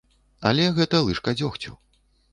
Але гэта лыжка дзёгцю.